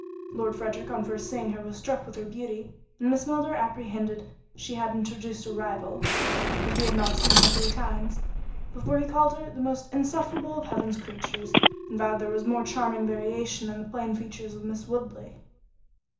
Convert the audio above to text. Lord Frederick on first seeing her was struck with her beauty, and Miss Milner apprehended she had introduced a rival; but he had not seen her three times, before he called her "The most insufferable of Heaven's creatures," and vowed there was more charming variation in the plain features of Miss Woodley.